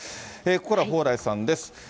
ここからは蓬莱さんです。